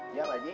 iya pak ji